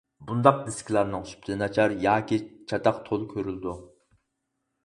بۇنداق دىسكىلارنىڭ سۈپىتى ناچار ياكى چاتاق تولا كۆرۈلىدۇ.